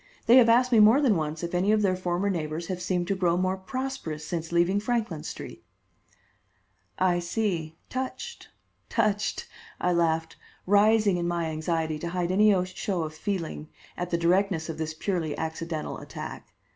They have asked me more than once if any of their former neighbors have seemed to grow more prosperous since leaving Franklin Street." "I see; touched, touched!" I laughed, rising in my anxiety to hide any show of feeling at the directness of this purely accidental attack.